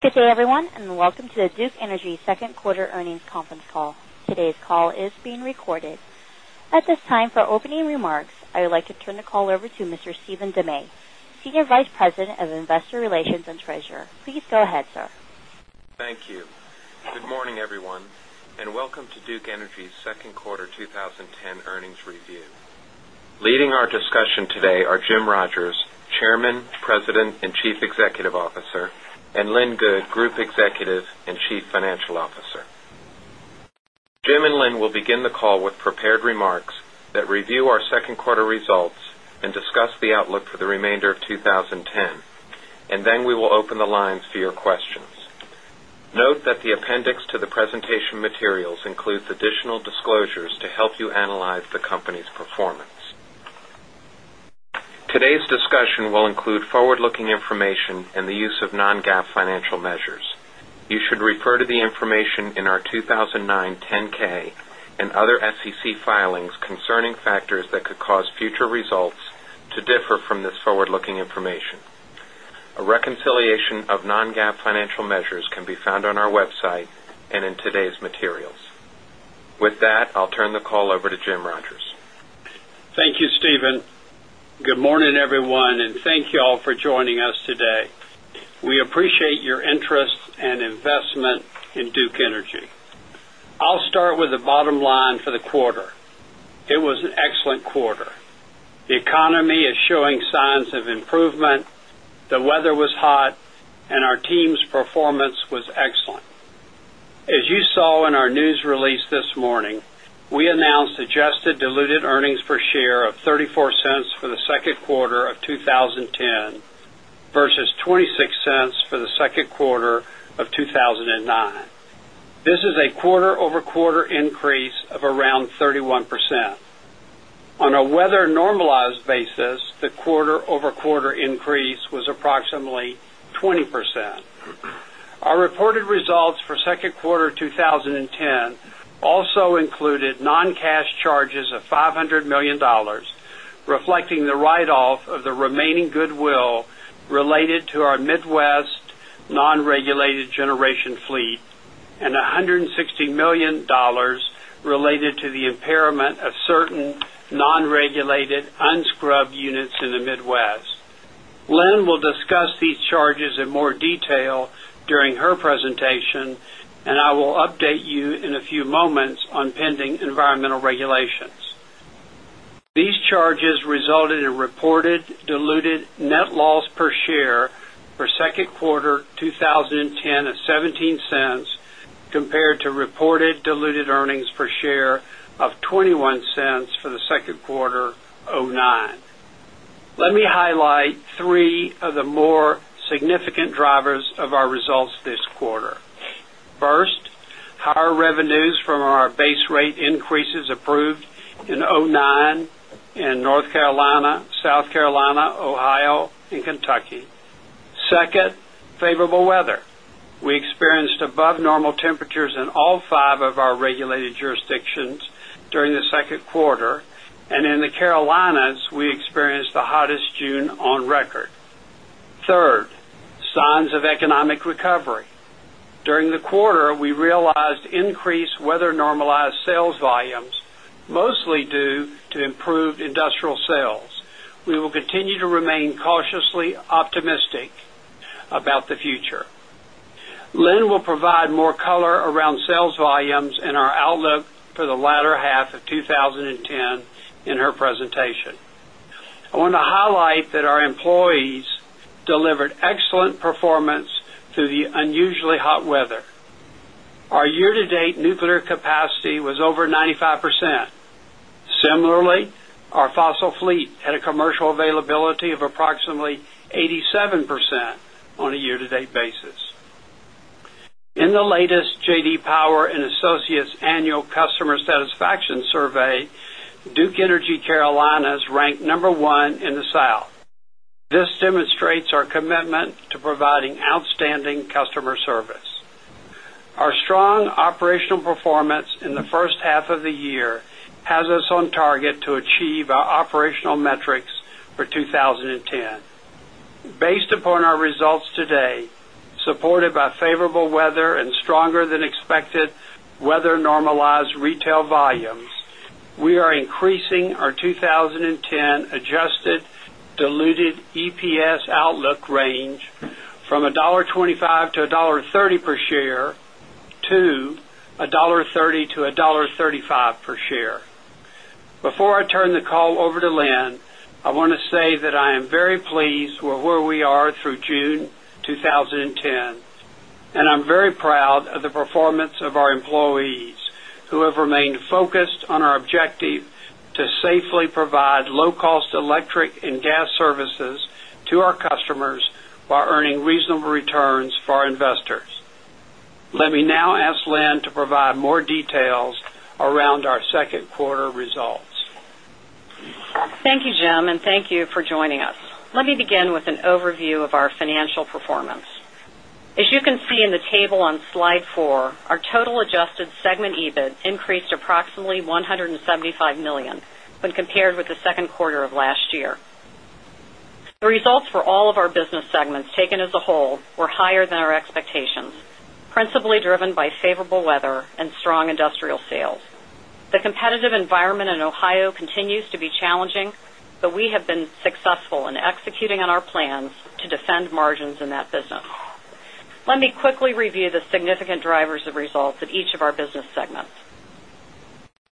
Day, everyone, and welcome to the Duke Energy Second Quarter Earnings Conference Call. Today's call is being recorded. At this time, for opening remarks, I would like to turn the call over to Mr. Stephen DeMay, Senior Vice President of Investor Relations and Treasurer. Please go ahead, sir. Thank you. Good morning, everyone, and welcome to Duke Energy's Q2 2010 earnings review. Leading our discussion today are Jim Rogers, Chairman, President and Chief Executive Officer and Lynn Goode, Group Executive and Chief Financial Officer. Jim and Lynn will begin the call with prepared remarks that review our Q2 results and discuss the outlook for the remainder of 2010, and then we will open the lines for your questions. Note that the appendix to the presentation materials includes additional disclosures to help you analyze the company's performance. Today's discussion will include forward looking information and the use of non GAAP financial measures. You should refer to the information in our 2,009 10 ks and other SEC filings concerning factors that could cause future results to differ from this forward looking information. A reconciliation of non GAAP financial measures can be found on our website and in today's materials. With that, I'll turn the call over to Jim Rogers. Thank you, Stephen. Good morning, everyone, and thank you all for joining us today. We appreciate your interest and investment in Duke Duke Energy. I'll start with the bottom line for the quarter. It was an excellent quarter. The economy is showing signs of improvement, the weather was hot, and our team's performance was excellent. As you saw in our news release this morning, we announced adjusted diluted earnings per share of 10 31%. On a weather normalized basis, the quarter over quarter increase was approximately 20 percent. Our reported results for Q2 of 2010 also included noncash charges of $500,000,000 reflecting the write off of the remaining goodwill related to our Midwest non regulated generation fleet and $160,000,000 related to the impairment of certain non regulated unscrubbed units in the Midwest. Lynn will discuss these charges in more detail during her These charges resulted in reported diluted net loss per share for 2nd quarter dollars compared to reported diluted earnings per share of 0 point me highlight 3 of the more significant drivers of our results this quarter. 1st, higher revenues from our base rate increases approved in 'nine in North Carolina, South Carolina, Ohio and Kentucky. 2nd, favorable weather. We experienced above normal temperatures in all 5 of our regulated jurisdictions during the Q2, and in the Carolinas, we experienced the hottest June on record. 3rd, signs of economic recovery. During the quarter, we realized increased weather normalized sales volumes, mostly due to improved industrial sales. We will continue to remain cautiously optimistic about the future. Lynn will provide more color around sales volumes and our outlook for the latter half of twenty ten in her presentation. I want to highlight that our employees delivered Similarly, our fossil fleet had a commercial availability of approximately 87% on a year to date basis. In the latest J. D. Power and Associates annual customer satisfaction survey, Duke Energy Carolina ranked number 1 in the South. This demonstrates our commitment to providing outstanding customer service. Our strong operational performance in the first half of the year has us on target to achieve our operational metrics for 20 10. Based upon our results today, supported by favorable weather and stronger than expected weather normalized retail volumes, we are increasing our 2010 adjusted diluted EPS outlook range from $1.25 to $1.30 per share to $1.30 to $1.35 per share. Before I turn the call over to Lynn, I want to say that I am very pleased with where we are through June 2010, and I'm very proud of the performance of our employees who have remained focused on our objective to safely me now ask Lynn to provide more details around our 2nd quarter results. Thank you, Jim, and thank you for joining us. Let me begin with an overview of our financial performance. As you can see in the table on Slide 4, our total adjusted segment EBIT increased approximately $175,000,000 when compared with the Q2 of last year. Results for all of our business segments taken as a whole were higher than our expectations, principally driven by favorable weather and strong industrial sales. The competitive environment in Ohio continues to be challenging, but we have been successful in executing on our plans to defend margins in that business. Let me quickly review the significant drivers of results of each of our business segments.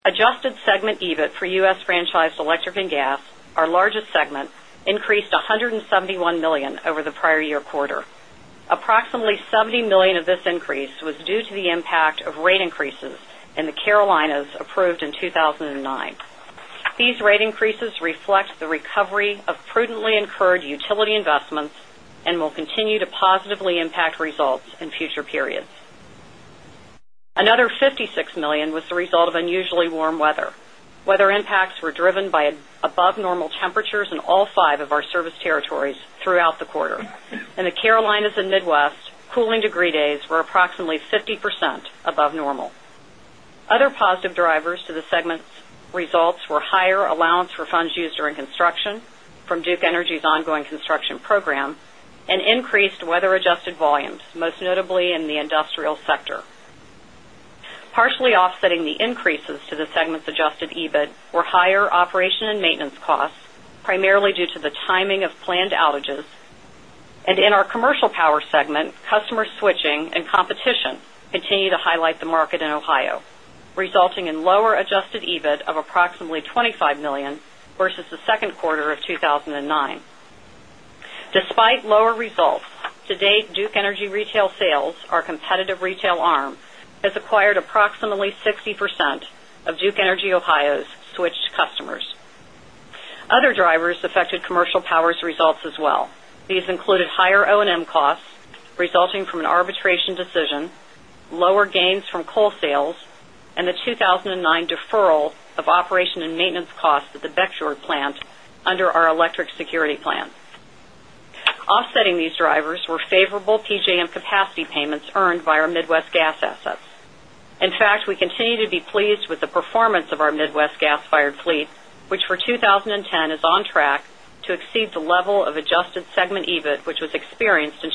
Adjusted segment EBIT for U. S. Franchise electric and gas, our largest segment, increased $171,000,000 over the prior year quarter. Approximately $70,000,000 of this increase was due to the impact the of prudently incurred utility investments and will continue to positively impact results in future periods. Another Another $56,000,000 was the result of unusually warm weather. Weather impacts were driven by above normal temperatures in all five of our service territories throughout the quarter. In the Carolinas and Midwest, cooling degree days were approximately 50% above normal. Other positive drivers to the segment's results were higher allowance for funds used during construction from Duke Energy's ongoing construction program and increased weather adjusted volumes, most notably in the industrial sector. Partially offsetting the increases to the segment's adjusted EBIT were higher operation and maintenance costs, primarily due to the timing of planned outages. And in our commercial power segment, customer switching and competition continue to highlight the market in Ohio, resulting in lower adjusted EBIT of approximately 20 $5,000,000 versus the Q2 of 2019. Despite lower results, to date, Duke Energy our competitive retail arm, has acquired approximately 60% of Duke Energy Ohio's switched customers. Other drivers affected Commercial Power's results as well. These included higher O and M costs resulting from an arbitration decision, lower gains from coal sales and the 2,009 deferral of operation and maintenance costs at the Becture plant under our electric security plan. Fired fleet, which for 20 fired fleet, which for 2010 is on track to exceed the level of adjusted segment EBIT, which was experienced in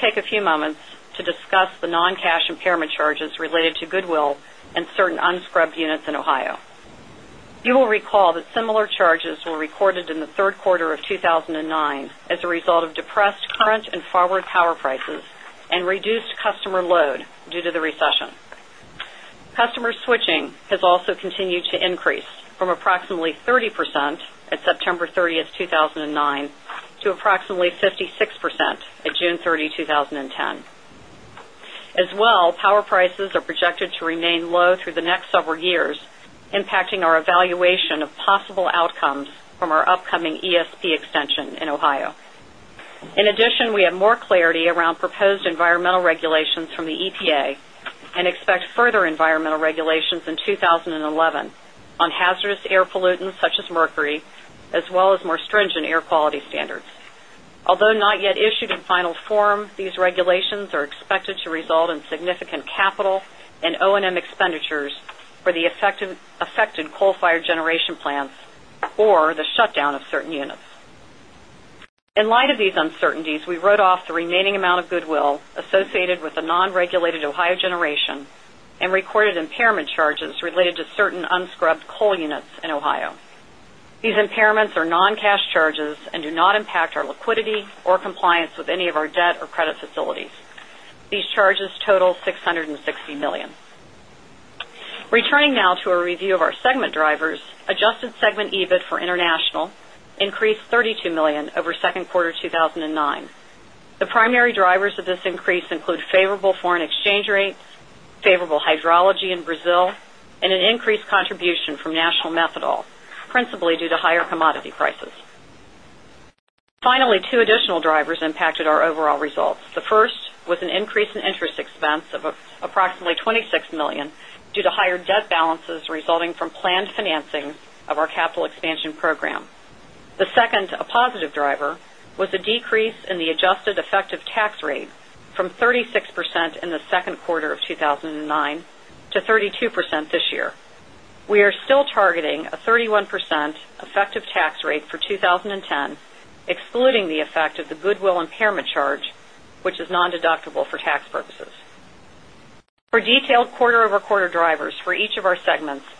take a few moments to discuss the non cash impairment charges related to goodwill and certain unscrubbed units in Ohio. You will recall that similar charges were recorded in the Q3 of 2,009 as a result of depressed current and forward power prices and reduced customer load due to the recession. Customer switching has also continued to increase from approximately 30% at September 30, 2009 to approximately 56% at June 30, 2010. As well, power prices are projected to remain low through the next several years, impacting our evaluation of possible outcomes from our upcoming ESP extension in Ohio. In addition, we have more clarity around proposed environmental regulations from the EPA and expect further environmental regulations in in final form, these regulations are expected to result in significant capital and O and M expenditures for the affected coal fired generation plants or the shutdown of certain units. In light of these uncertainties, we wrote off the remaining amount of goodwill associated with the non regulated $60,000,000 Returning now to a review of our segment CAD 660 1,000,000 Returning now to a review of our segment drivers, adjusted segment EBIT for international increased 32 1,000,000 over Q2 2019. The primary drivers of this increase include favorable foreign exchange rates, favorable hydrology in Brazil, and an increased contribution from national Methanol, principally due to higher commodity prices. Finally, 2 additional drivers impacted our overall results. The first was an increase in interest expense of approximately 20 $6,000,000 due to higher debt balances resulting from planned financing of our capital expansion program. The second, a positive driver, was a decrease in the adjusted effective tax rate from 36% in the Q2 of 2,009 mentioned, segments,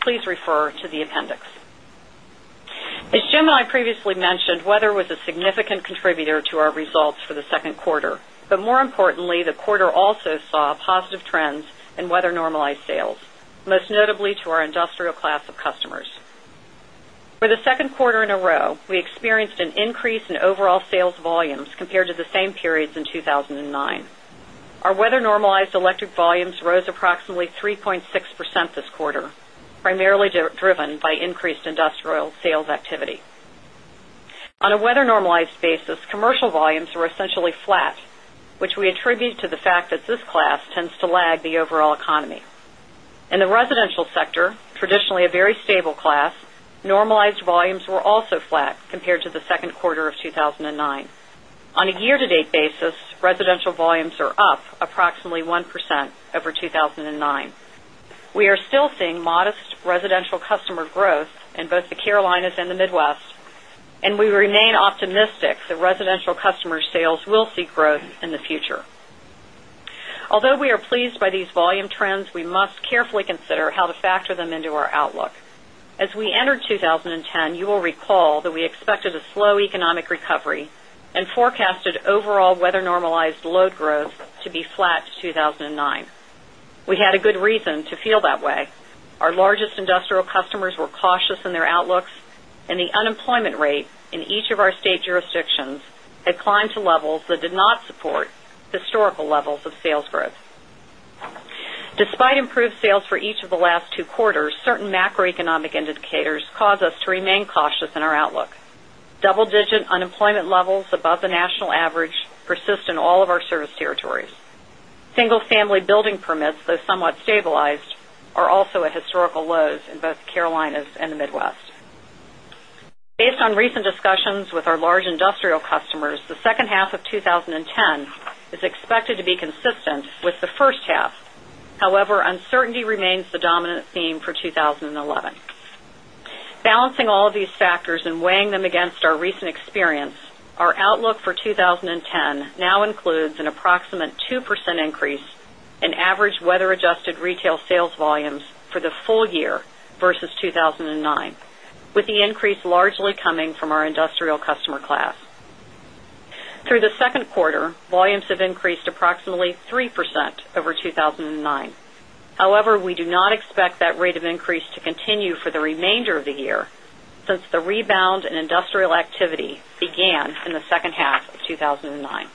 please refer to the appendix. As Jim and I previously mentioned, weather was a significant contributor to our results for the 2nd quarter. But more importantly, the quarter also saw positive trends in weather normalized sales, most notably to our industrial class of customers. For the Q2 in a row, we experienced an increase in overall sales volumes compared to the same periods in 2 1009. Our weather normalized electric volumes rose approximately 3.6% this quarter, primarily driven by increased industrial sales activity. On a weather normalized basis, commercial volumes were essentially flat, which we attribute to the fact that this class tends to lag the overall economy. In the residential sector, traditionally a very stable class, normalized volumes were also flat compared to the the seeing modest residential customer growth in both the Carolinas and the Midwest, and we remain optimistic that residential customer sales will see growth in the future. Although we are pleased by these volume trends, we must carefully consider how to factor them into our outlook. As we entered 2010, you will recall that we expected a slow economic recovery and forecasted overall weather normalized load growth to be flat to 2,009. We had a good reason to feel that way. Our largest industrial customers were cautious in their outlooks and the unemployment rate in each of our state jurisdictions had climbed to levels that did not support historical levels of sales growth. Despite improved sales for each of the last two quarters, certain macroeconomic indicators cause us to remain cautious in our outlook. Double digit unemployment levels above the national average persist in all of our service territories. Single family building permits, though somewhat stabilized, are also at historical ten is expected to be consistent with the first half, Balancing all of these factors and weighing them against our recent experience, our outlook for 20 10 now includes an approximate 2% increase in average weather adjusted retail sales volumes for the full year versus 2,009, with the increase largely coming from our industrial customer class. Through the Q2, volumes have increased approximately 3% over 2,009. Industrial activity began in the second half of two thousand and nine.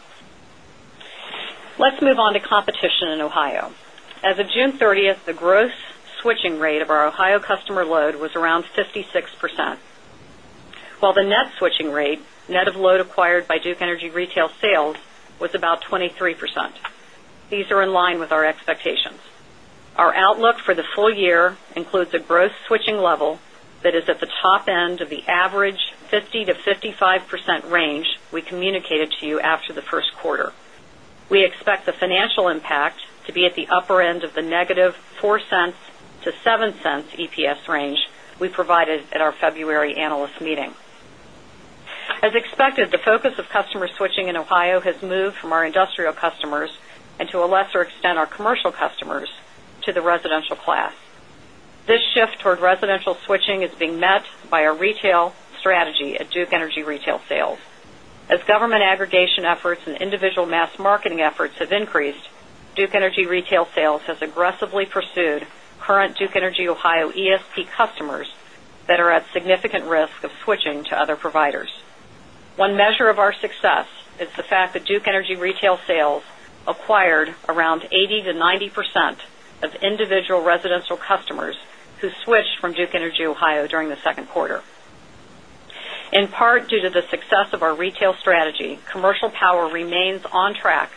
Let's move on to competition in Ohio. As of June 30, the gross switching switching rate of our Ohio customer load was around 56%, while the net switching rate, net of load acquired by Duke Energy Retail Sales, was about 23%. These are in line with our expectations. Our outlook for the full year includes a gross switching level that is at the top end of the average 50% to 55% range we communicated to you after the Q1. We expect the financial impact to be at the upper end of the negative 0 point 0 $4 to 0 point 0 $7 EPS range we provided at February analyst meeting. As expected, the focus of customer switching in Ohio has moved from our industrial customers and to a lesser extent, our commercial customers to the residential class. This shift toward residential switching is being met by our retail our retail strategy at Duke Energy Retail Sales. As government aggregation efforts and individual mass marketing efforts have increased, Duke Energy Retail sales has aggressively pursued current Duke Energy Ohio ESP customers that are at significant risk of switching to other providers. One measure of our success is the fact that Duke Energy retail sales acquired around 80% to 90% of individual residential customers who switched from Duke Energy Ohio during the Q2. In part due to the success of our retail strategy, commercial power remains on track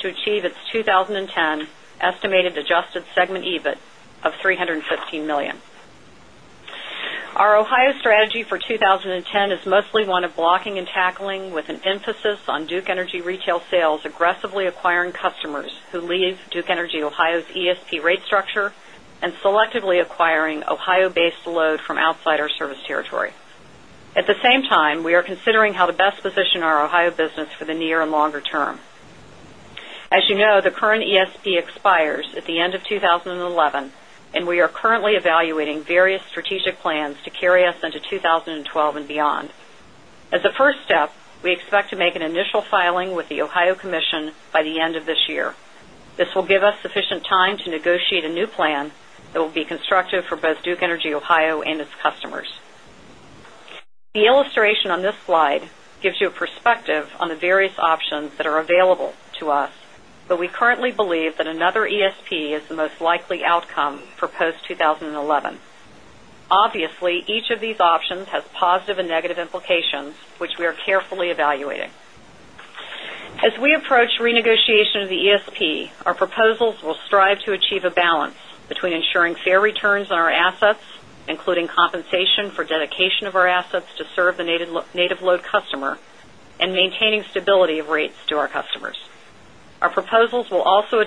to achieve its 20 10 estimated adjusted segment EBIT of $315,000,000 Our Ohio strategy for 20 10 is mostly one of blocking and tackling with an emphasis on Duke Energy retail sales aggressively acquiring customers who leave Duke Energy Ohio's ESP rate structure and selectively acquiring Ohio based load from outside our service territory. At the same time, we are considering how to best position our Ohio business for the near and longer term. As you know, the current ESP expires at the end of 2011, and we are currently evaluating various strategic plans to carry us into 2012 and beyond. As a first step, we expect to make an initial filing with the Ohio Commission by the end of this year. This will give us sufficient time to negotiate a new plan that will be constructive for both Duke Energy Ohio and its customers. The illustration on this slide gives you a perspective on the various options that are available to us, but we currently believe that another ESP is the most likely outcome for post-twenty 11. Obviously, each of these options has positive and negative implications, which we are carefully evaluating. As we approach renegotiation of the ESP, our proposals will strive to achieve a balance between ensuring fair returns on our assets, including compensation for dedication of our assets to serve the native load customer and maintaining stability of customer switching. As we progress through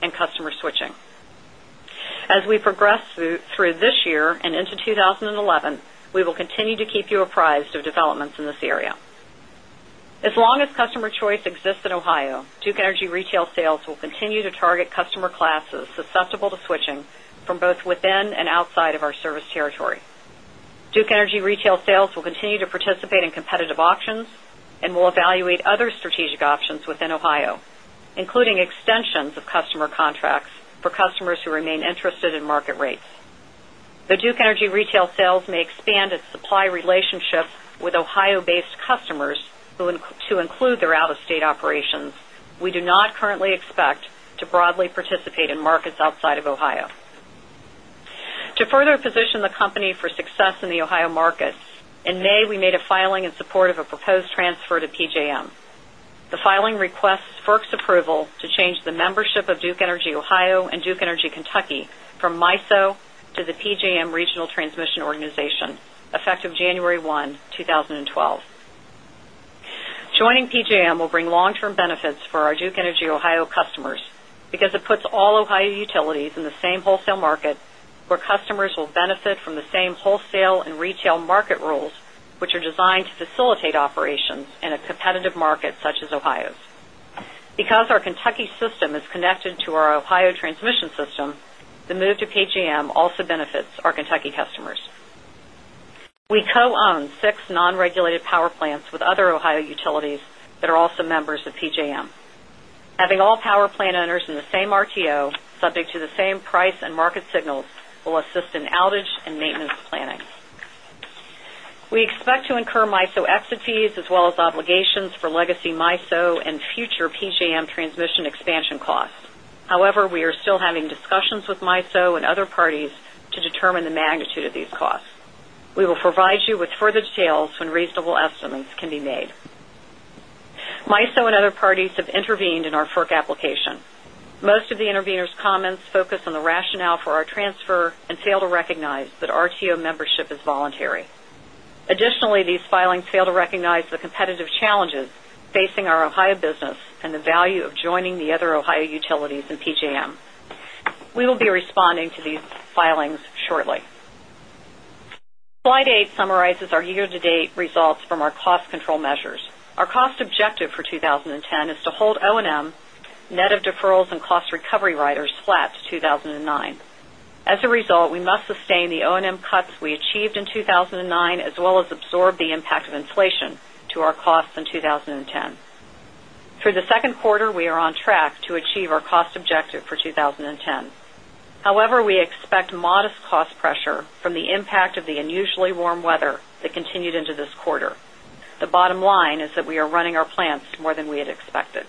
this customer switching. As we progress through this year and into 2011, we will continue to keep you apprised of developments in this area. As long as customer choice exists in Ohio, Duke Energy Retail sales will continue to target customer classes susceptible to switching from both within Ohio, including extensions of customer contracts for customers who remain interested in market rates. The Duke Energy retail sales may expand its supply relationship with Ohio based customers who include their out of state operations, we do not currently expect to broadly participate in markets outside of Ohio. To further position the company for success in the Ohio markets, in May, we made a filing in support of a proposed transfer to PJM. The filing requests FERC's approval to change the membership of Duke Energy Ohio and Duke Energy Kentucky from MISO to the PJM Regional Transmission Organization, effective January 1, 2012. Joining PJM will bring long term benefits for our Duke Energy Ohio customers because it puts all Ohio utilities in the same wholesale market where customers will benefit from the same wholesale and retail market rules, which are designed to facilitate operations in a retail market rules, which are designed to facilitate operations in a competitive market such as Ohio's. Because our Kentucky system is connected to our Ohio transmission system, the move to PJM also benefits our Kentucky customers. We co own 6 non regulated power plants with other Ohio utilities that are also members of PJM. Having all power plant owners in the same RTO, subject to the same price and market signals, will assist in outage and maintenance planning. We expect to incur MISO exit fees as well as obligations for legacy MISO and future PJM transmission expansion costs. However, we are still having discussions with MISO and other parties to determine the magnitude of these costs. Estimates can be made. MISO and other parties have intervened in our FERC application. Most of the interveners' comments focus on the rationale for our transfer and fail to recognize that RTO membership is voluntary. Additionally, these filings fail to recognize the competitive challenges facing our Ohio business and the value of joining the other Ohio utilities and PJM. We will be responding to these filings shortly. Slide cost 10 is to hold O and M net of deferrals and cost recovery riders flat to 2,009. As a result, we must sustain the O and M cuts we achieved in 2,009 as well as absorb the impact of inflation to our costs in 20 10. Through the second quarter, we are on track to achieve our cost objective for 20.10. However, we expect modest cost pressure from the impact of the unusually warm weather that continued into this quarter. The bottom line is that we are running our plants more than we had expected.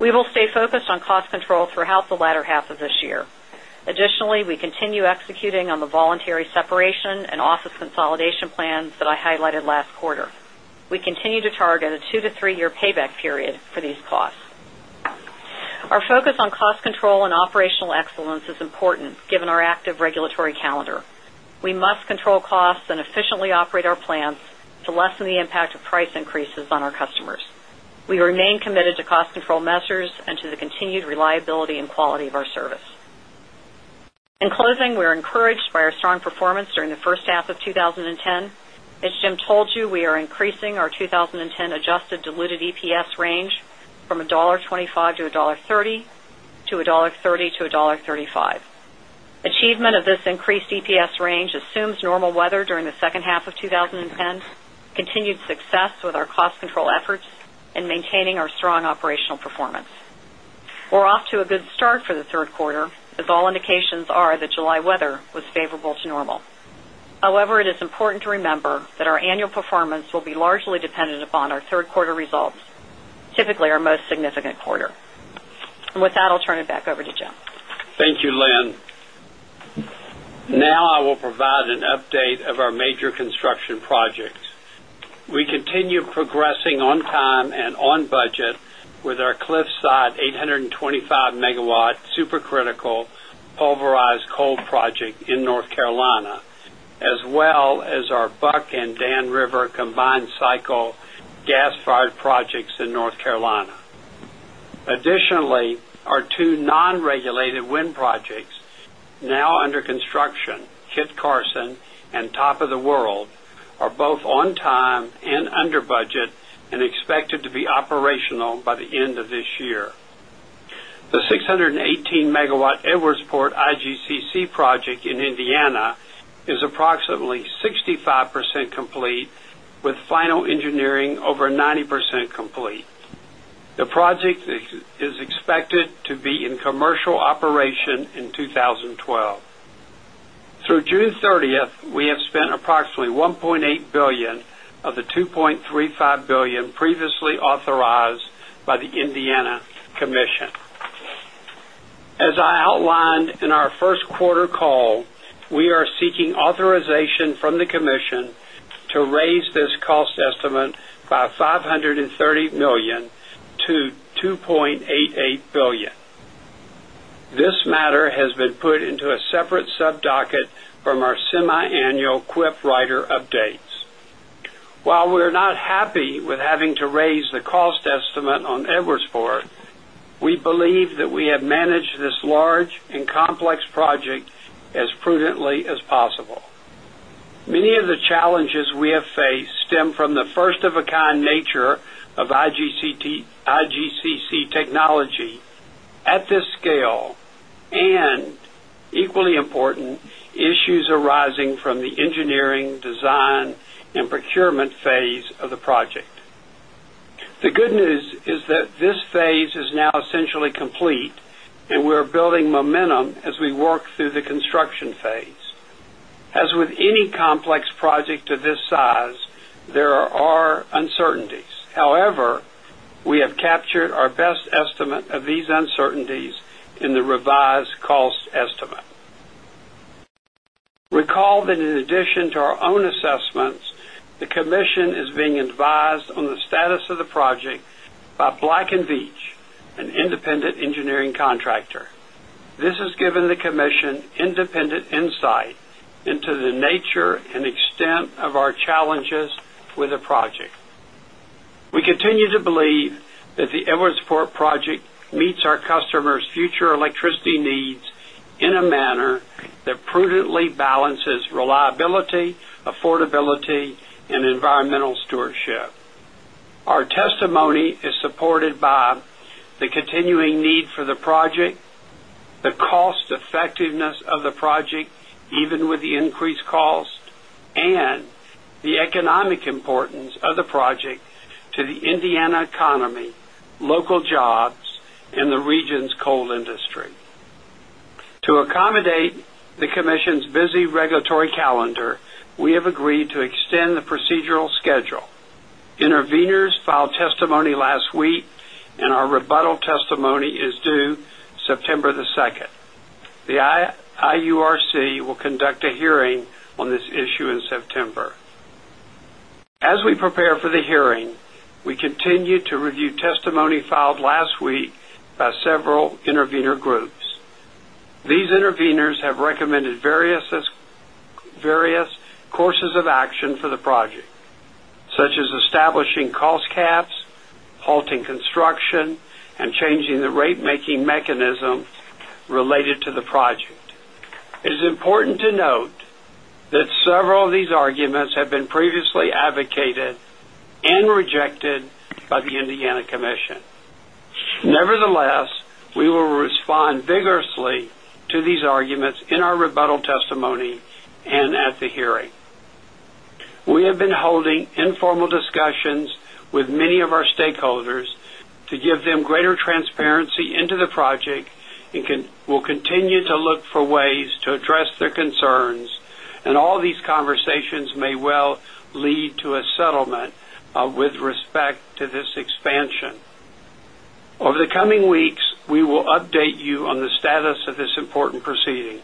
We will stay focused on cost control throughout the latter half of this year. Additionally, we continue executing on the voluntary separation and office consolidation plans that I highlighted last quarter. We continue to target a 2 to 3 year payback period for these costs. Our focus on cost control and operational excellence is important given our active regulatory calendar. We must control costs and efficiently operate our plants to lessen the impact of price increases on our customers. We remain committed to cost control measures and to the continued reliability and quality of our service. In closing, we are encouraged by our strong performance during the first half of twenty ten. As Jim told you, we are increasing our 20 10 adjusted diluted EPS range from $1.25 to $1.30 to $1.30 to 1 $0.35 Achievement of this $3.0 to 1 point 3 $5 Achievement of this increased EPS range assumes normal weather during the second half of twenty ten, continued success with our cost control efforts and maintaining our strong operational performance. We're off to a good start for the Q3 as all indications are that July weather was favorable to normal. However, it is important to remember that our annual performance will be largely dependent upon our 3rd quarter results, typically our most significant quarter. And And with that, I'll turn it back over to Jim. Thank you, Lynn. Now I will provide an update of our major construction projects. We continue progressing on time and on budget with our Cliffside 825 Megawatt Supercritical Pulverized Coal project in North Carolina as well as our Buck and Dan River combined cycle gas fired projects in North and are both on time and under budget and expected to be operational by the end of this year. The 6 18 Megawatt Edwardsport IGCC project in Indiana is approximately 65% complete with final engineering over 90% complete. The project is expected to be in commercial operation in 2012. Through June 30, we have spent approximately $1,800,000,000 of the 2 $350,000,000 previously authorized by the Indiana Commission. As I outlined in our first quarter call, we are seeking authorization from the commission to raise this cost estimate by $530,000,000 to $2,880,000,000 This matter has been put into a separate sub docket from our semiannual QIP writer believe that we have believe that we have managed this large and complex project as prudently as possible. Many of the challenges we have faced stem from the first of a kind nature of IGCC technology at this scale and equally important, issues arising from the engineering, design and procurement phase of the project. The good news is that this phase is now essentially complete and we are building momentum as we work through the construction phase. As with any complex project of this size, there are uncertainties. However, we have captured our best estimate of these uncertainties in the revised cost estimate. Recall that in addition to our own assessments, the commission is being advised on the status of the project by Black and Veatch, an independent engineering contractor. This has given the commission independent insight into the nature and to the Indiana economy, local jobs and the region's coal industry. To accommodate the September. As we prepare for this issue in September. As we prepare for the hearing, we continue to review testimony filed last week by several intervener groups. These interveners have recommended various courses of action for the project, such as the project. It is important to note that several of these arguments have been previously advocated and rejected by the Indiana Commission. Nevertheless, we will respond vigorously to these arguments in our rebuttal testimony and at the hearing. We have been holding informal discussions with many of our stakeholders to concerns and all these conversations may well lead to a settlement with respect to this expansion. Over the coming weeks, we will update you on the status of this important proceeding.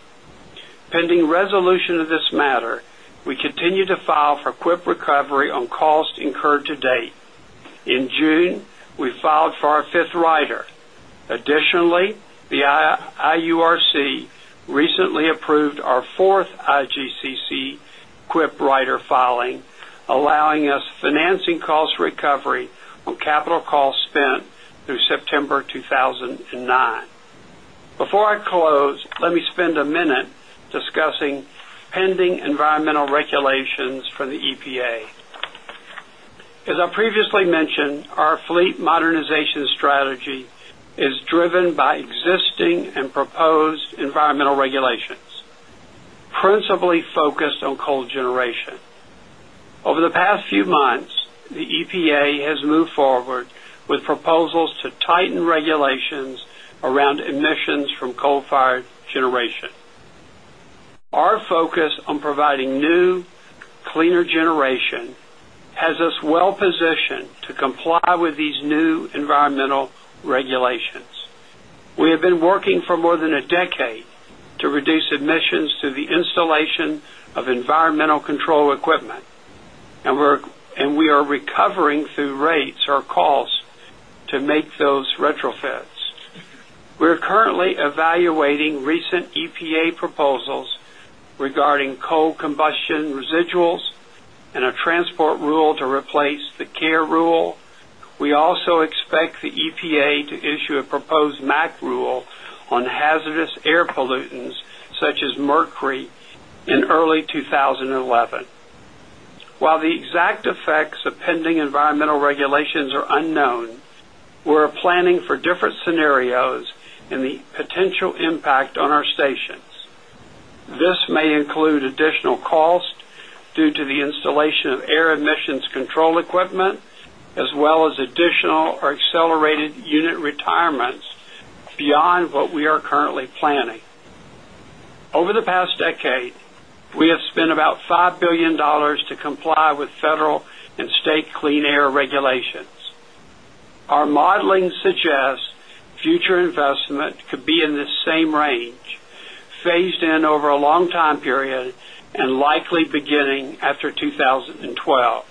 Pending resolution of this matter, we IURC recently approved our 4th IGCC Quip rider filing allowing us financing cost recovery on capital cost spent through September strategy is driven by existing and proposed environmental regulations, principally focused on coal on from coal fired generation. Our focus on providing new, cleaner generation has us well positioned to comply with these new environmental regulations. We have been working for more than a decade to reduce emissions to the installation of environmental control equipment, and we are proposals regarding coal combustion residuals and a transport rule to replace the CARE rule. We also expect the EPA to issue a proposed MAC rule on hazardous air pollutants such as mercury in early 2011. While the exact effects of pending environmental regulations are unknown, we are planning for different scenarios and the potential impact on our stations. This may include additional cost due to the the we are currently planning. Over the past decade, we have spent about $5,000,000,000 to comply with federal and state clean air regulations. Our modeling suggests future investment could be in the same range, phased in over a long time period and likely beginning after 2012.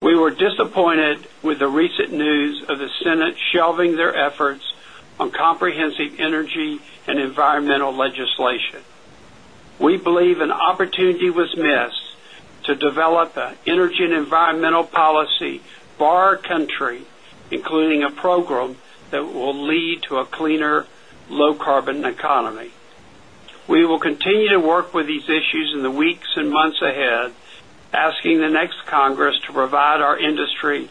We were disappointed with the recent news of the Senate shelving their efforts on comprehensive energy and environmental legislation. We believe energy and environmental policy for our country, including a program that will lead to a cleaner low carbon economy. We will continue to work with these issues in the weeks months ahead asking the next Congress to provide our industry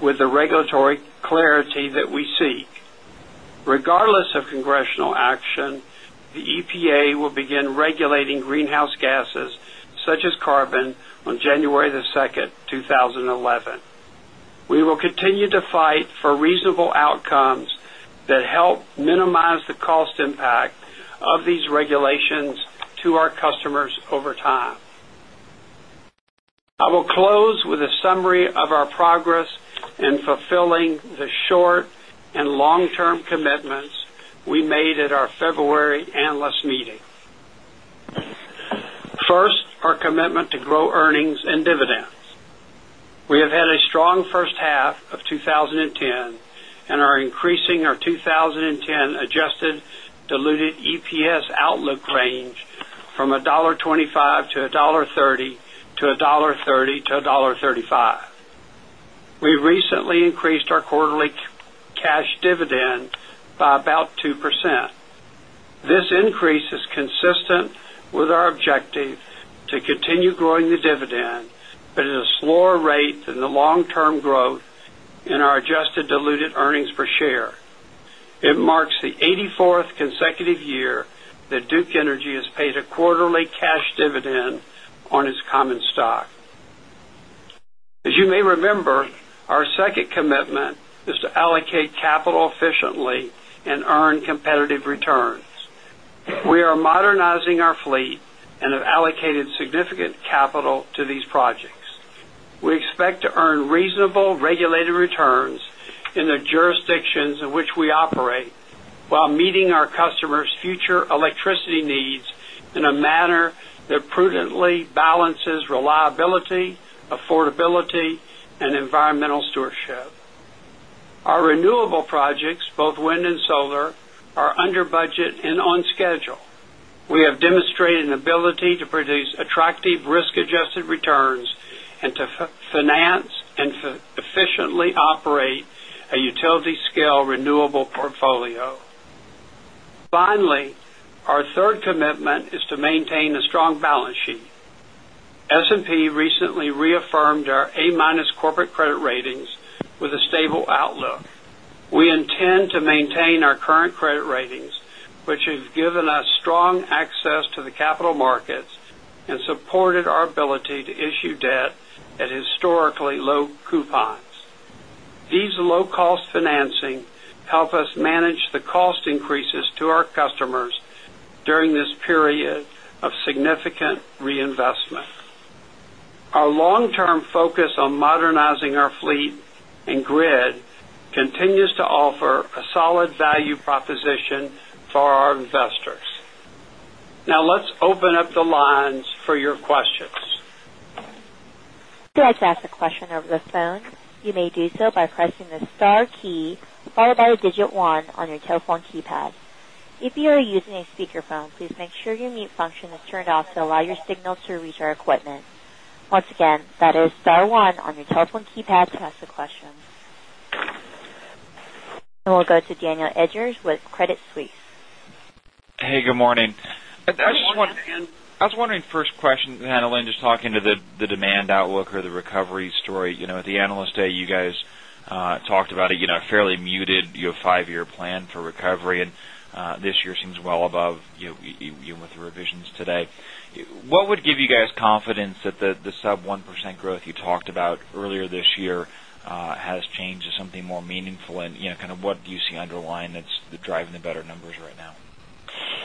with the regulatory clarity clarity that we seek. Regardless of congressional action, the EPA will begin regulating greenhouse gases such as carbon January 2, 2011. We will continue to fight for reasonable outcomes that help minimize the cost impact of these regulations to our customers over time. I will close with a summary of our progress in fulfilling the short and long term commitments we made at our February analyst half of twenty ten and are increasing our 20 10 adjusted diluted EPS outlook range from $1.25 to $1.30 to $1.30 to $1.35 We recently increased our quarterly continue growing the dividend, but at a slower rate than the long term growth in our adjusted diluted earnings per share. It marks the 84th consecutive year that Duke Energy has paid a quarterly cash dividend on its common stock. As you may remember, our second commitment is to allocate capital efficiently and earn competitive returns. We are modernizing our and have allocated significant capital to these projects. We expect to earn reasonable regulated returns in the jurisdictions in which we operate, while meeting our customers' future electricity needs in a manner that prudently balances reliability, affordability and environmental stewardship. Our renewable projects, both wind and solar, are under budget and on and to finance and efficiently operate a utility scale renewable portfolio. Finally, our 3rd commitment is to maintain a strong balance sheet. S and P recently reaffirmed our A- corporate credit ratings with a stable outlook. We intend to maintain our current credit ratings, which has given us strong access to the capital to And we'll go to Daniel Edgers with Credit Suisse. Hey, good morning. Good morning, Dan. I was wondering first question, Annalyn, just talking to the demand outlook or the recovery story. At the Analyst Day, you guys talked about a fairly muted 5 year plan for recovery. And this year seems well above with the revisions today. What would give you guys confidence that the sub-one percent growth you talked about earlier this year has changed something more meaningful and kind of what do you see underlying that's driving the better numbers right now?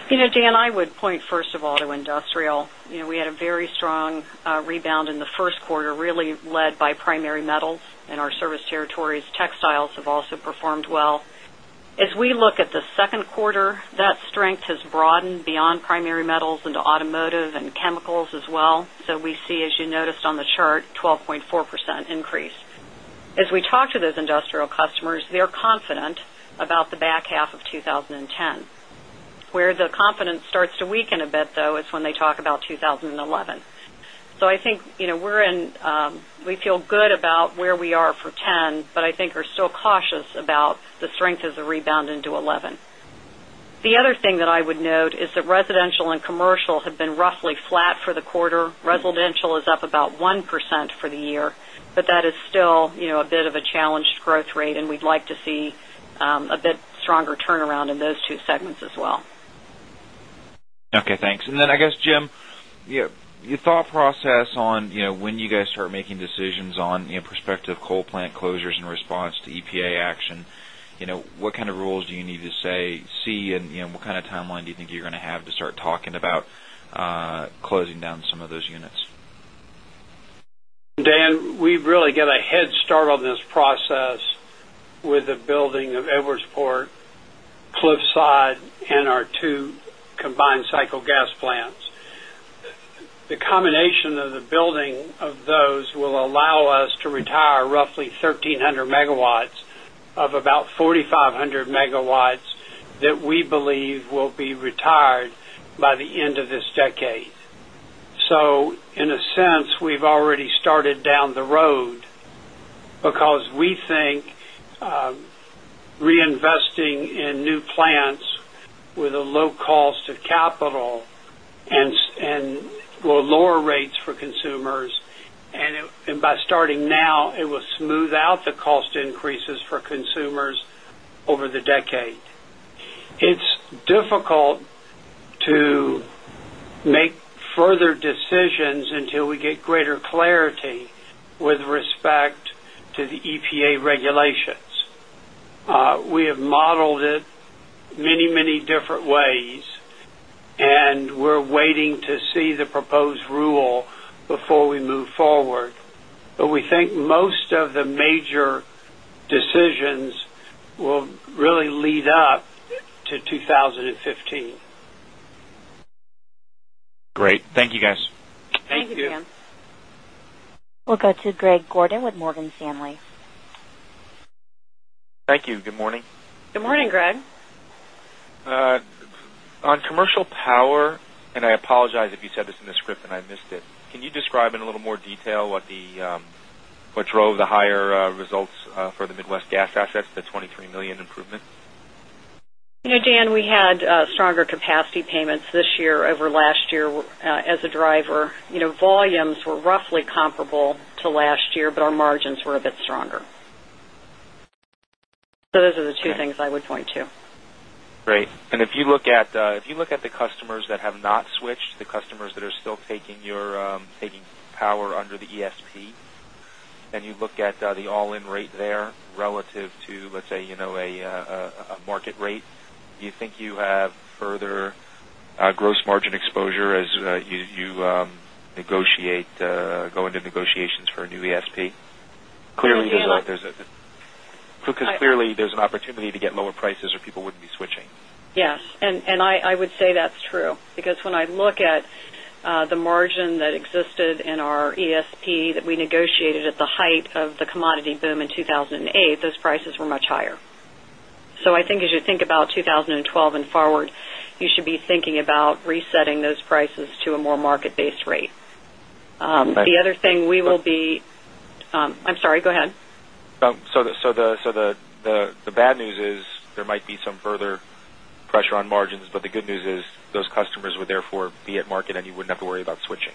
Dan, I would point, 1st of all, to industrial. We had a very strong rebound in the first quarter, really led by primary metals in our service territories. Textiles have also performed well. As we look at the 2nd quarter, that strength has broadened beyond primary metals into automotive and chemicals as well. So we see, as you noticed on the chart, 12.4% increase. As we talk those industrial customers, they're confident about the back half of twenty ten. Where the confidence starts to weaken a bit though is when they talk about 2011. So I think we're in, we feel good about where we are for 2010, but I think we're still cautious about the strength as a rebound into 11%. The other thing that I would note is that residential and commercial have been roughly flat for the quarter. Residential is up about 1% for the year, but that is still a bit of a challenged growth rate and we'd like to see a bit stronger turnaround in those two segments as well. Okay, thanks. And then I guess, Jim, your thought process on when you guys start making decisions on prospective coal plant closures in response to EPA action, what kind of rules do you need to see and what kind of timeline do you think you're going to have to start talking about closing down some of those units? Dan, we've really got a head start on this process with the building of Edwardsport, Cliffside and our 2 combined cycle gas plants. The combination of the building of those will allow us to retire roughly 1300 megawatts of about 4,500 megawatts that we believe will be retired by the end of this decade. So in a sense, we've already started down the road because we think reinvesting in new plants with a low cost of capital and lower rates for consumers. And by starting now, it will smooth out the cost increases for consumers over the decade. It's difficult to make further decisions until we get greater clarity with respect to the EPA regulations. We have modeled it many, many different ways and we're waiting to see the proposed rule before we move forward. But we think most of the major decisions will really lead up to 20 15. Great. Thank you, guys. Thank you. Thank you. We'll go to Greg Gordon with Morgan Morgan Stanley. Thank you. Good morning. Good morning, Greg. On commercial power and I apologize if you this in the script and I missed it. Can you describe in a little more detail what drove the higher results for the Midwest Gas assets, the $23,000,000 improvement? Dan, we had stronger capacity payments this year over last year as a driver. Volumes were roughly comparable to last year, but our margins were a bit stronger. So those are the 2 things I would point to. Great. And at if you look at the customers that have not switched, the customers that are still taking your taking power under the ESP and you look at the all in rate there relative to, let's say, a market rate, do you think you have further gross margin exposure as you negotiate go into negotiations for a new ESP? A clearly, there's an opportunity to get lower prices or people wouldn't be switching. Yes. I would say that's true because when I look at the margin that existed in our ESP that we negotiated at the height of the commodity boom in 2,008, those prices were much higher. So I think as you think about 2012 and forward, you should be thinking about resetting those prices to a more market based rate. The other thing we will be I'm sorry, go ahead. So the bad news is there might be some further pressure on margins, but the good news is those customers would therefore be at market and you wouldn't have to worry about switching.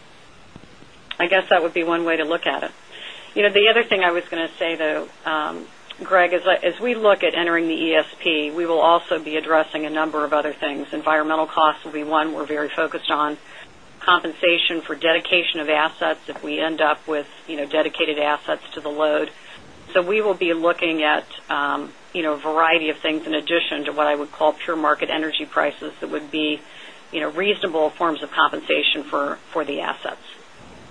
I guess that would be one way to look at it. The other thing I was going to say though, Greg, as we look at entering the ESP, we will also be addressing a number of other things. Environmental costs will be 1 we're very focused on. Compensation for dedication of assets if we end up with dedicated assets to the load. So we will be looking at a variety of things in addition to what I would call pure market energy prices that would be reasonable forms of compensation for the assets.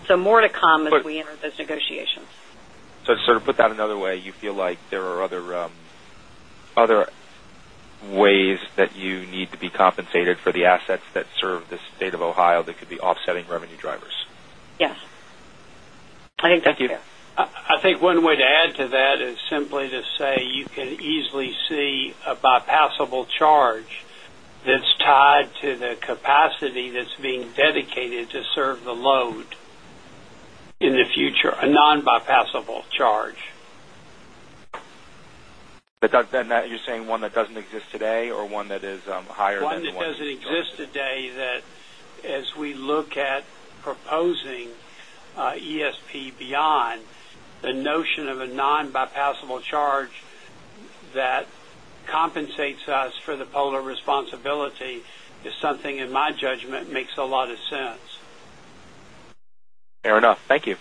So more to come as we enter those negotiations. So to sort of put that another way, you feel like there are other ways think that's fair. I think that's fair. I think one way to add to that is simply to say you can easily see a bypassable charge that's tied to the capacity that's being dedicated to serve the load. Capacity that's being dedicated to serve the load in the future, a non bypassable charge. But then that you're saying one that doesn't exist today or one that is higher than 1? 1 that doesn't exist today that as we look at proposing ESP beyond the notion of a non bypassable charge that compensates us for the polar responsibility is something in my judgment makes a lot of sense. Fair enough. Thank you.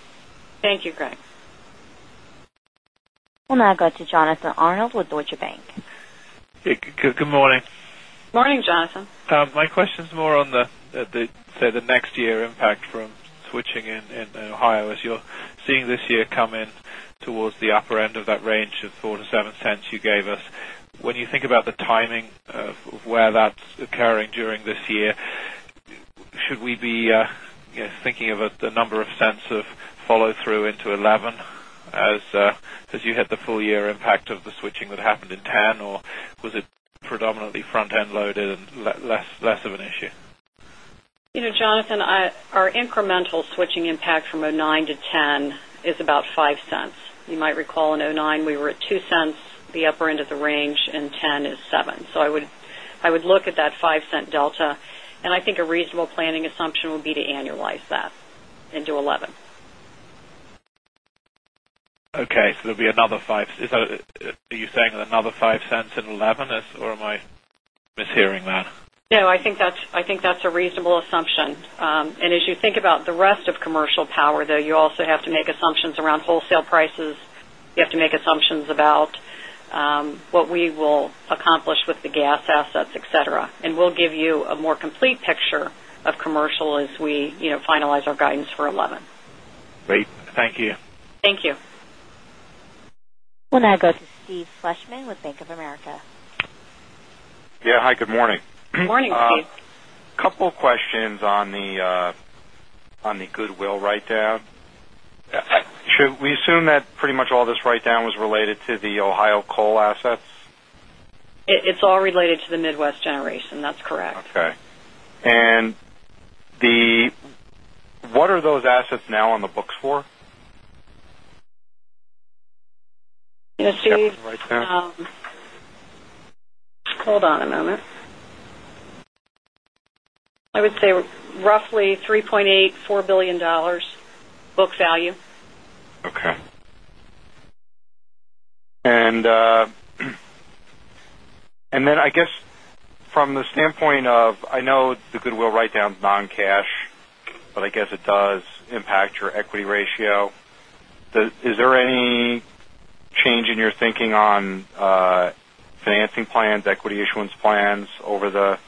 Thank you, Craig. We'll now go to Jonathan Arnold with Deutsche Bank. Good morning. Good morning, Jonathan. My question is more on the, say, the next year impact from switching in Ohio as you're seeing this year come in towards the upper end of that range of $0.04 to $0.07 you gave us. When you think about the timing of where that's occurring during this year, should we be thinking about the number of cents of follow through into '11 as you hit the full year impact of the switching that happened in 'ten or was it predominantly front end loaded and less of an issue? Jonathan, our incremental switching impact from 'nine to 'ten is about $0.05 You might recall in 'nine, we were at $0.02 the upper end of the range and $0.10 is $0.07 So I would look at that $0.05 delta and I think a reasonable planning assumption would be to annualize that into 0.11. Okay. So there'll be another 0.05 you're saying another $0.05 or am I mishearing that? No, I think that's a reasonable assumption. And as you think about the rest of commercial power, though, you also have to make assumptions around wholesale prices. You have to make assumptions about what we will accomplish with the assets, etcetera. And we'll give you a more complete picture of commercial as we finalize our guidance for 2011. We'll now go to Steve Fleishman with Bank of America. Steve. Couple of questions on the goodwill write down. Should we assume that generation. That's correct. Okay. What are those assets now on the books for? Hold on a moment. I would say roughly 3.84 then I guess from the standpoint of I know the goodwill write down is non cash, but I guess it does impact your equity ratio. Is there any change in your thinking on financing plans, equity issuance plans over the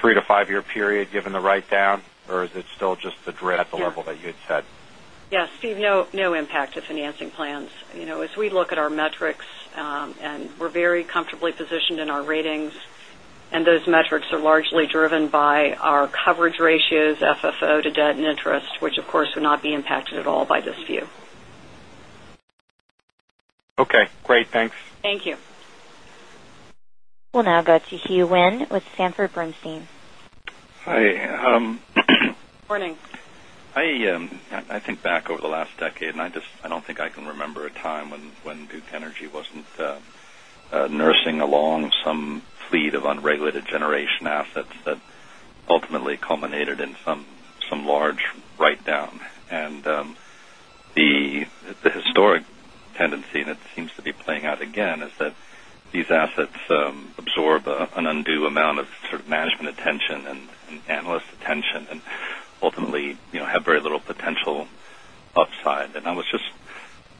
3 to 5 year period given the write down or is it still just the drift at the level that you had said? Yes, Steve, no impact to financing plans. As we look at our metrics and we're very comfortably positioned in our ratings and those metrics are largely driven by our coverage ratios, FFO to debt and interest, which of course would not be impacted at all by this view. We'll now go to Hugh Wynn with Sanford Bernstein. Morning. I think back over the last decade and I just I don't think I can remember a time when Duke Energy wasn't nursing along some fleet of unregulated generation assets that ultimately culminated in some large write down. And the historic tendency that seems to be playing out again is that these assets absorb an undue amount of sort of management attention and analyst attention and ultimately have very little potential upside. And I was just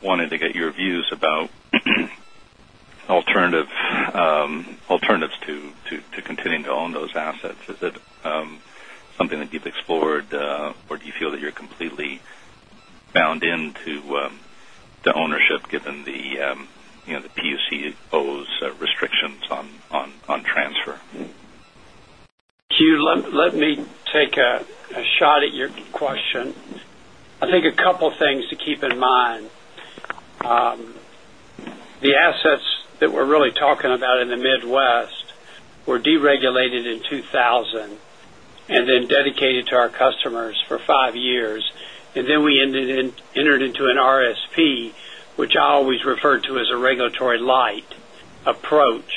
wanting to get your views about alternatives to continuing to own those assets. Is it something that you've explored? Or do you feel that you're completely bound into the ownership given the PUC owes restrictions on transfer? Hugh, let me take a shot at your question. I think a couple of things to keep in mind. The assets the assets that we're really talking about in the Midwest were deregulated in 2000 and then dedicated to our customers for 5 years and then we entered into an RSP, which I always refer to as a regulatory light approach.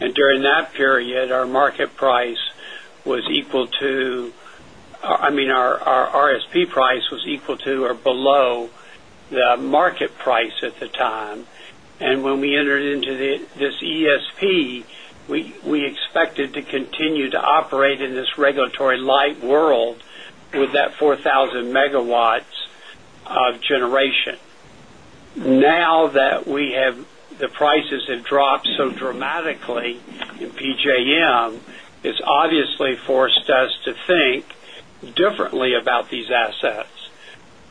And during that period, our market price was equal to I mean, our RSP price was equal to or below the market price at the time. And when we entered into this ESP, we expected to continue to operate in this regulatory light world with that 4,000 megawatts of generation. Now that we have the prices have dropped so dramatically in PJM, it's obviously forced us to think differently about these assets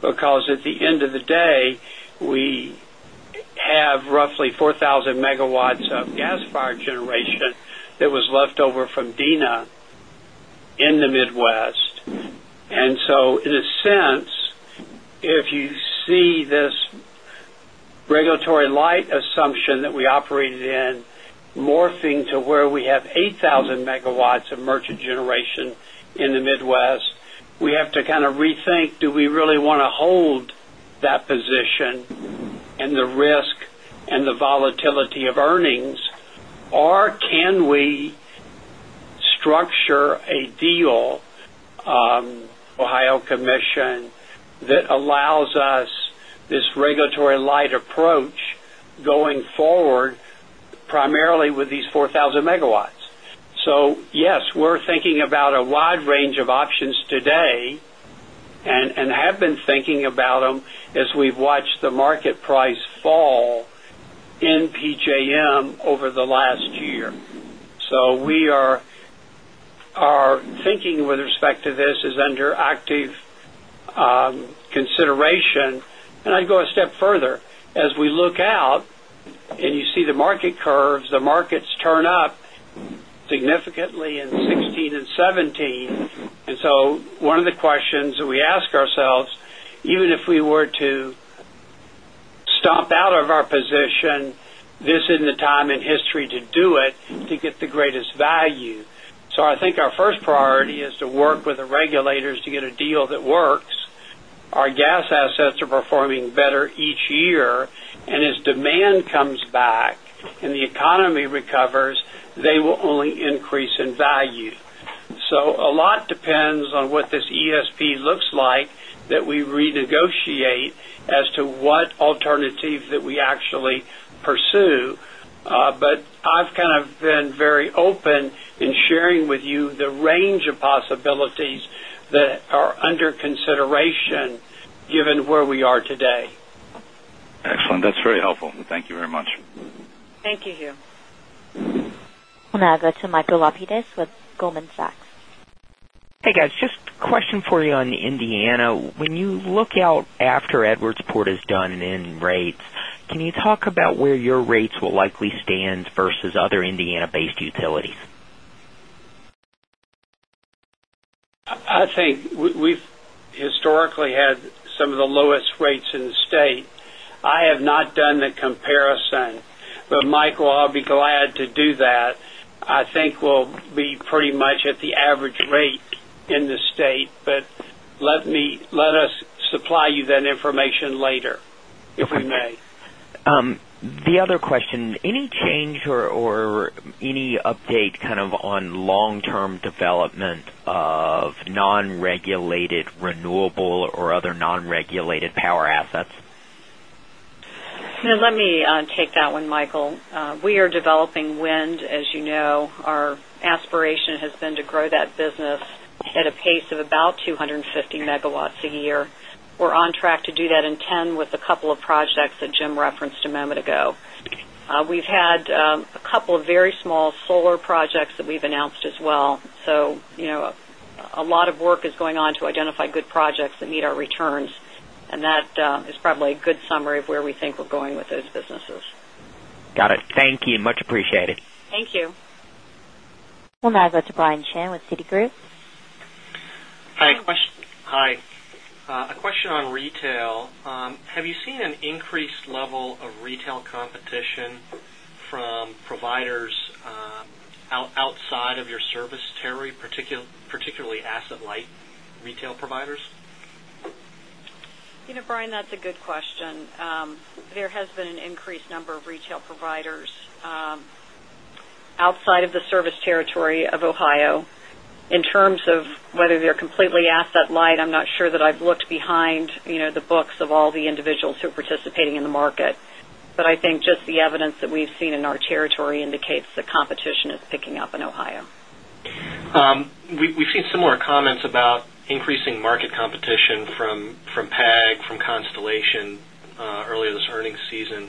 because at the end of the day, we have roughly 4,000 megawatts of gas fired generation that was left over from Dina in the Midwest. And so in a sense, if you see this regulatory light assumption that we operated in morphing to where we have 8,000 megawatts of merchant generation in the Midwest. We have to kind of rethink, do we really want to hold that position and the risk and the volatility of earnings or can we structure a deal, Ohio Commission that allows So yes, we're thinking about a wide range of options today and have been thinking about them as we've watched the market price fall in PJM over the last year. So we are thinking with respect to this is under curves, the markets turn up significantly in 'sixteen and 'seventeen. And so one of the questions that we ask ourselves, even if we were to stop out of our position, this isn't the time in history to do it to get the greatest value. So I think our first priority is to work with the regulators to get a deal that works. Our gas assets are performing better each year and as demand comes back and the economy recovers, they will only increase in value. So a lot depends on what this ESP looks like that we renegotiate as to what alternatives that we actually pursue. But I've kind of been very open in sharing with you the range of possibilities that are under consideration given where we are today. We'll now go to Michael Lapides with Goldman Sachs. Hey, guys. Just a question for you on Indiana. When you look out after Edwards Port is done in rates, can you talk about where your rates will likely stand versus other Indiana based utilities? I think we've historically had some of the lowest rates in the state. I have not done the comparison, but supply you that information later, if we may. The other question, any change or any update on long term development of non regulated renewable or other non regulated power assets? No, let me take that one, Michael. We are developing wind, as you know. Our aspiration has been to grow that business at a pace of about 2 50 megawatts a year. We're on track to do that in 10 with a couple of projects that Jim referenced a moment ago. We've had a couple of very small solar projects that we've announced as well. So a lot of work is going on to identify good projects that meet our returns, and that is probably a good summary of where we think we're going with those businesses. We'll now go to Brian Chin with Citigroup. Hi. A question on retail. Have you seen an increased level of retail competition from providers outside of your service, Terry, particularly asset light retail providers? Brian, that's a good question. There has been an increased number of retail light, I'm not sure that I've looked behind the books of all the light, I'm not sure that I've looked behind the books of all the individuals who are participating in the market, but I think just the evidence that we've seen in our territory indicates that competition is picking up in Ohio. We've seen similar PAG, PAG, from Constellation earlier this earnings season?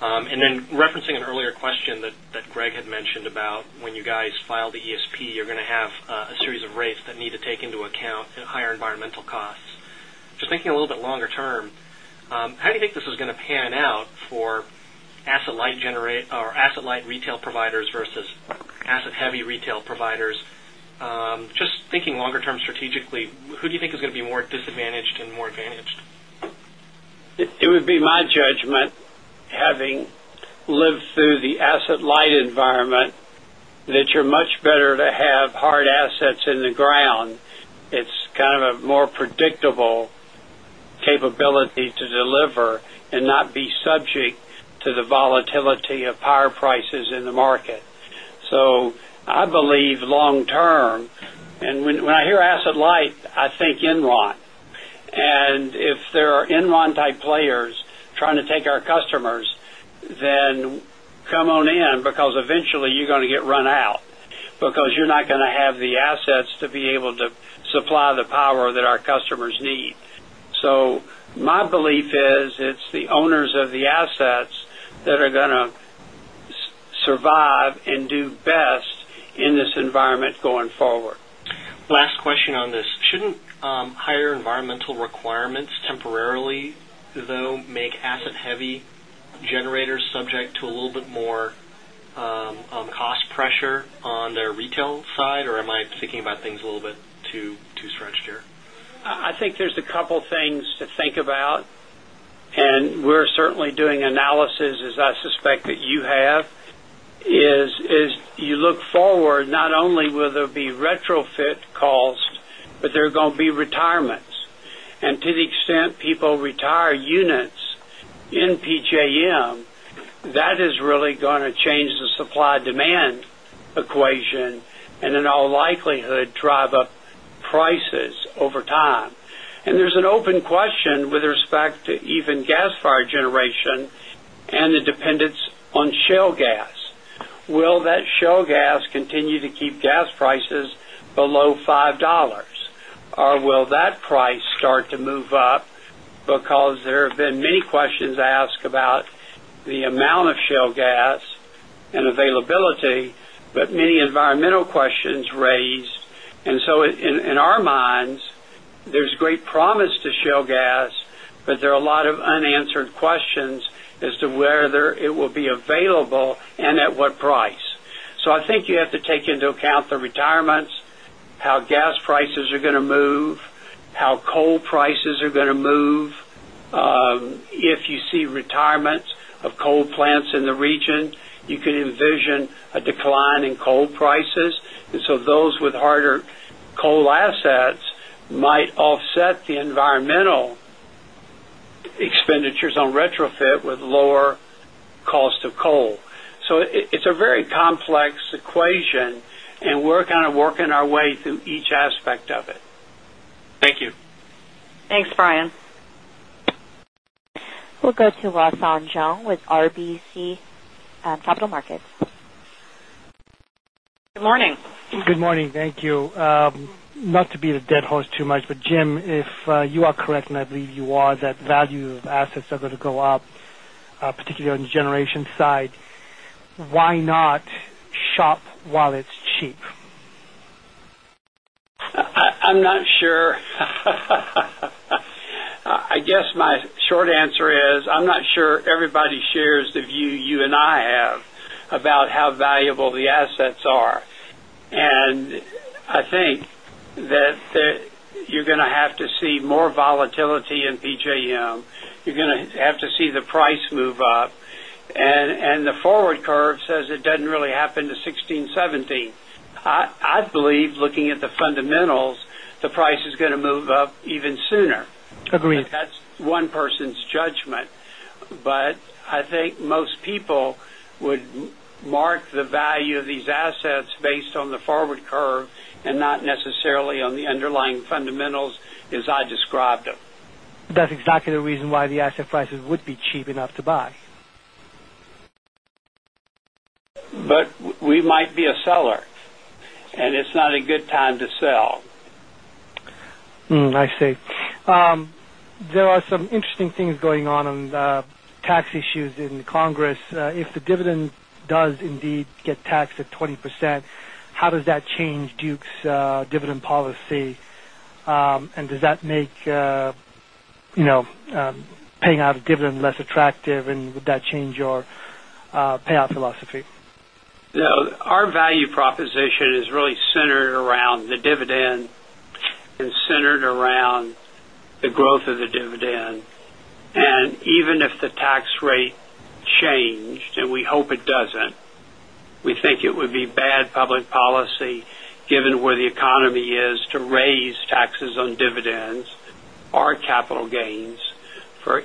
And then referencing an earlier question that Greg had mentioned about when you guys filed the ESP, you're going to have a series of rates that need to take into account higher environmental costs. Just thinking a little bit longer term, how do you think this is going to pan out for asset light retail providers versus asset heavy retail providers? Just thinking longer term strategically, who do you think is going to be more disadvantaged and more advantaged? It would be my judgment having lived through the asset light environment that you're much better to have hard assets in the ground. It's kind of a more predictable capability to deliver and not be subject to the volatility of power prices in the market. So I believe long term and when I hear Asset Light, I think Enron. And if there are Enron type players trying to take our customers, then come on in because eventually you're going to get run out because you're not going to have the assets to be able to supply the power that our customers need. So my belief is it's the owners of the assets that are going to survive and do best in this environment going forward. Last question on this. Shouldn't higher environmental requirements temporarily though make asset heavy I think there's a couple of things to think about and we're certainly doing analysis as I suspect that you have is you look forward not only will there be retrofit cost but there are going to be retirements and to the extent people retire units in PJM, that is really going to change the supply demand equation and in all likelihood drive drive up prices over time. And there's an open question with respect to even gas fired generation and the dependence on shale gas. Will that shale gas continue to keep gas prices below $5 or will that price start to move up because there have been many questions asked about the amount of shale gas and availability, lot of unanswered questions as to whether it will be lot of unanswered questions as to whether it will be available and at what price. So I think you have to take into account the retirements, how gas prices are going to move, how coal prices are going to move. If you see retirements of coal plants in the region, you can envision a decline in coal prices. And so those with harder coal assets might offset the environmental in our way through each aspect of it. We'll go to horse too much, but Jim, if you are correct, and I believe you are, that value of assets are going to go up, particularly on the generation side, why not shop while it's cheap? I'm not sure. I guess my short answer is, I'm not sure everybody shares the view you and I have about how valuable the assets are. And I think that you're going to have to see more volatility in PJM. You're going to have to see the price move up and the forward curve says it doesn't really happen to 'sixteen, 'seventeen. I believe looking at the fundamentals, the price is going to move up even sooner. Agreed. That's one person's judgment. But I think most people would mark the value of these assets based on the forward curve and not necessarily on the underlying fundamentals as I described them. That's exactly the reason why the asset prices would be cheap enough to buy. But we might be a seller and it's not a good time to sell. I see. There are some interesting things going on in the tax issues in the Congress. If the dividend does indeed get taxed at 20%, how does that change Duke's dividend policy? And does that make paying out dividend less attractive and would that change your payout philosophy? Our value proposition is really centered around the dividend and centered around the growth of the dividend. Even if the tax rate changed, and we hope it doesn't, we think it would be bad public policy given where the economy is to raise taxes on dividends or capital gains for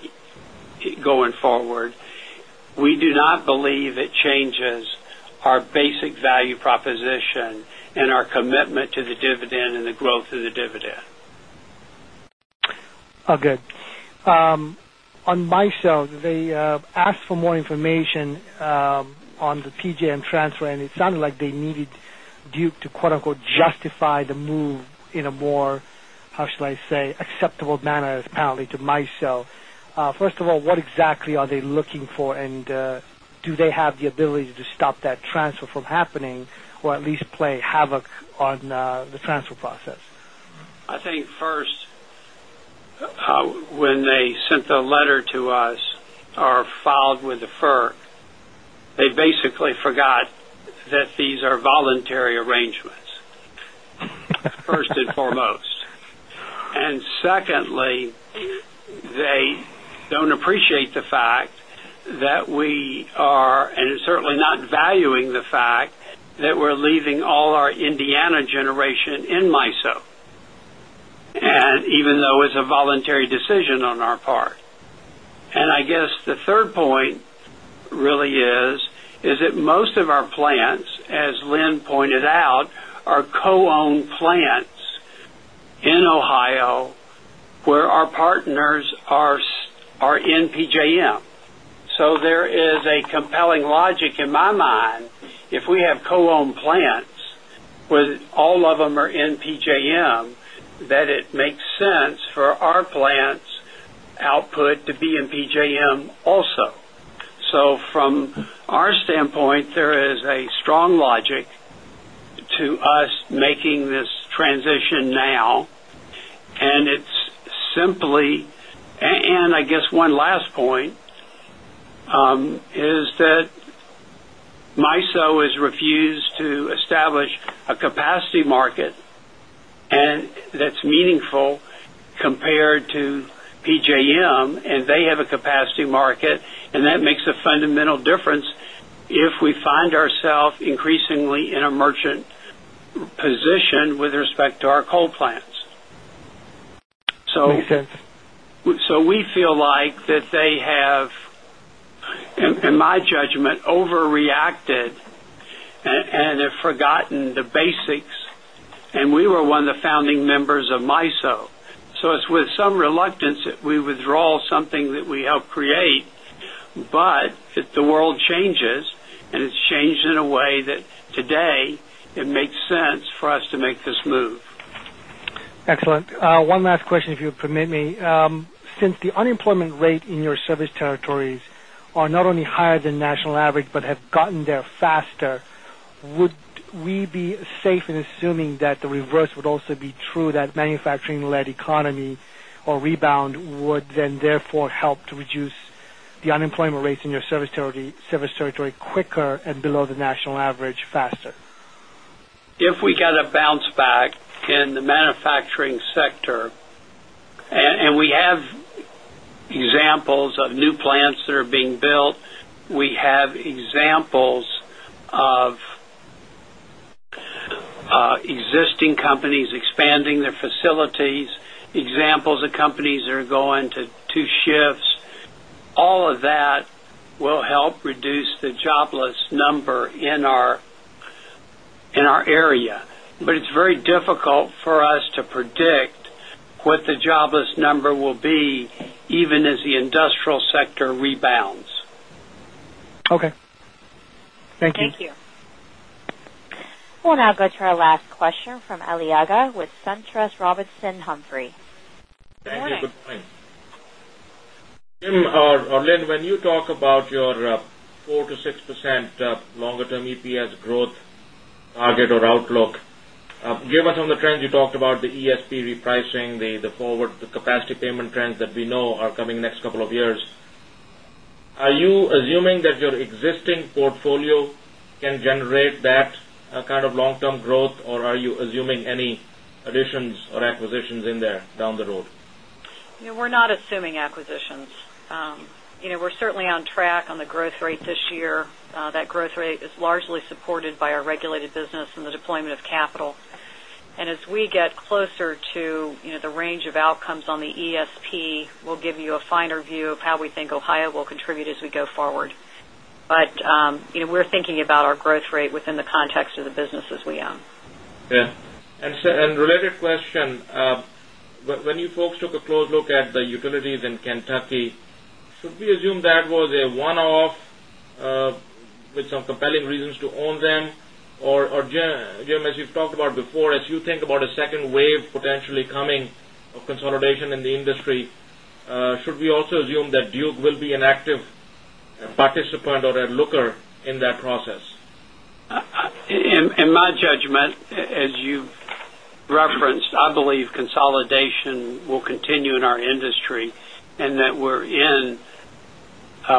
going forward. We do not believe it changes our basic value proposition and our commitment to the dividend and the growth of the dividend. Okay. On MISO, they asked for more information on the PJM transfer, and it sounded like they needed Duke to justify the move in a more, how should I say, acceptable manner apparently to MISO. First of all, what exactly are they looking for? And do they have the ability to stop that transfer from happening or at least play havoc on the transfer process? I think first, when they sent the letter to us or filed with the FERC, they basically forgot that these are voluntary arrangements, 1st and foremost. And secondly, they don't appreciate the fact that we are and certainly not valuing the fact that we're leaving all our Indiana generation in MISO even though it's a voluntary decision on our part. And I guess the third point really is, is that most of our plants, as Lynn pointed out, are co owned plants in Ohio where our partners are in PJM. So, there is a compelling logic in my mind if we have co owned plants with all of them are in PJM, that it makes sense for our plants output to be in PJM also. So from our standpoint, there is a strong logic to us making this transition now and it's simply and I guess one last point is that MISO has refused to establish a capacity market that's meaningful compared to PJM and they have a capacity market and that makes a fundamental difference if we find ourselves increasingly in a merchant position with respect to our coal plants. So we feel like that they have, in my judgment, overreacted and forgotten the basics and we were one of the founding members of MISO. So it's with some reluctance that we withdraw something that we help create, but if the world changes and it's changed in a way that today it makes sense for us to make this move. Excellent. One last question, if you permit me. Since the unemployment rate in your service territories are not higher than national average but have gotten there faster, would we be safe in assuming that the reverse would also be true that manufacturing led economy or rebound would then therefore help to reduce the unemployment rates in your service territory quicker and below the the number in our area, but it's very difficult for us to predict what the job is number will be even as the industrial sector rebounds. Okay. Thank you. Thank you. We'll now go to our last question from Ali Agha with SunTrust Robinson Humphrey. Thank you. Good morning. Jim or Lynn, when you talk about your 4% to 6% longer term EPS growth target or outlook. Given some of the trends you talked about, the ESP repricing, the forward capacity payment trends that we know are coming next couple of years. Are you assuming that your existing portfolio can generate that of long term growth? Or are you assuming any additions or acquisitions in there down the road? We're not assuming acquisitions. We're certainly on track on the growth rate this year. That growth rate is largely supported by our regulated business and the deployment of capital. And as we get closer to the range of outcomes on the ESP, we'll give you a finer view of how we think Ohio will contribute as we go forward. But we're thinking about our growth rate within the context of the businesses we own. And related question, when you folks took a look at the utilities in Kentucky, should we assume that was a one off with some compelling reasons to own them? Or Jim, as you've talked about before, as you think about a second wave potentially coming of consolidation in the industry, should we also assume that Duke will be an active participant or a looker in that process? In my judgment, as you've referenced, I believe consolidation will continue in our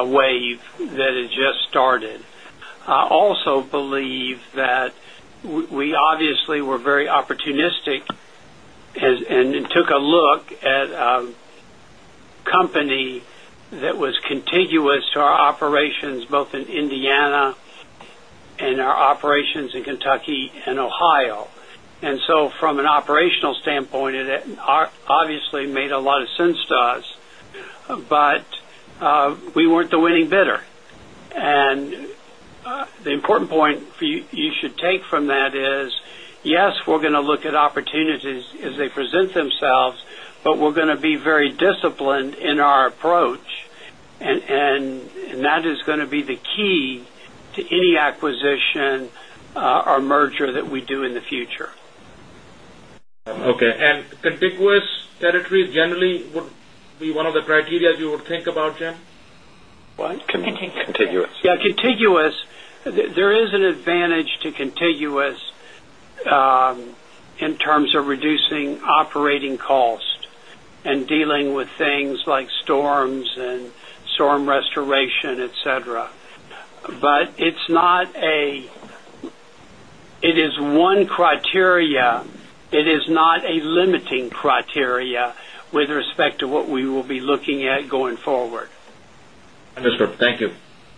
wave that has just started. I also believe that we obviously were very opportunistic and took a look at it obviously made a lot of sense to us, but we weren't the winning bidder. And the important point you should take from that is, yes, we're going to look at opportunities as they present themselves, but we're going to be very disciplined in our approach and that is going to be the key to any acquisition or merger that we do in the future. Okay. And contiguous territories generally would be one of the criteria you would think about, Jen? What? Contiguous. Yes, contiguous, there is an advantage to contiguous in terms of reducing operating cost and dealing with things like storms and storm restoration, etcetera. Not going to be able to get a criteria with respect to what we will be looking at going forward. Understood. Thank you.